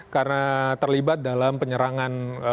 karena terlibat dalam penyerangan